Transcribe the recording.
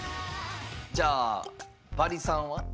じゃあ「バリ３」は？